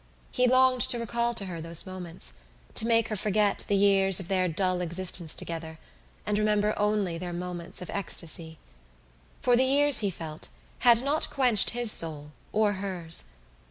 He longed to recall to her those moments, to make her forget the years of their dull existence together and remember only their moments of ecstasy. For the years, he felt, had not quenched his soul or hers.